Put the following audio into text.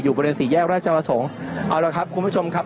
บริเวณสี่แยกราชประสงค์เอาละครับคุณผู้ชมครับ